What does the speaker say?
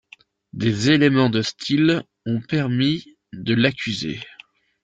Des éléments de style ont permis de l'accuser.